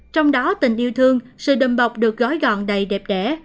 trong đó tình yêu thương sự đùm bọc được gói gọn đầy đẹp đẻ